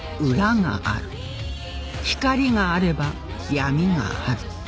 光があれば闇がある